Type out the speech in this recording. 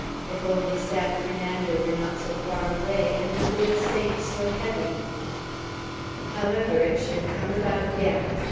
If only San Fernando were not so far away, and the wooden saints so heavy! However, it should come about yet.